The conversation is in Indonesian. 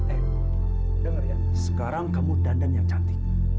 eh dengar ya sekarang kamu dandan yang cantik